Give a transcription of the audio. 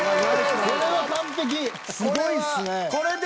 これは完璧。